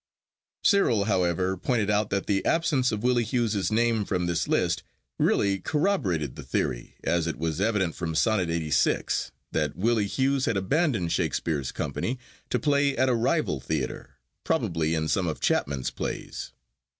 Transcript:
Cyril, however, pointed out that the absence of Willie Hughes's name from this list really corroborated the theory, as it was evident from Sonnet LXXXVI. that Willie Hughes had abandoned Shakespeare's company to play at a rival theatre, probably in some of Chapman's plays.